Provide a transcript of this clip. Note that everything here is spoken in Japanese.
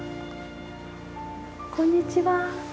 こんにちは。